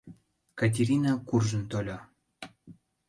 Катерина куржын тольо.